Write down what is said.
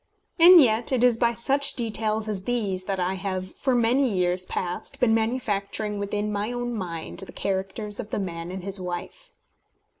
And yet it is by such details as these that I have, for many years past, been manufacturing within my own mind the characters of the man and his wife.